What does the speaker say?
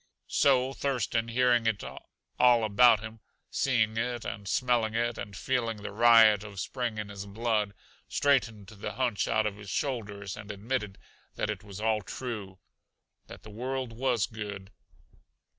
So Thurston, hearing it all about him, seeing it and smelling it and feeling the riot of Spring in his blood, straightened the hunch out of his shoulders and admitted that it was all true: that the world was good.